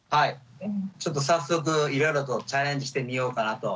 ちょっと早速いろいろとチャレンジしてみようかなと。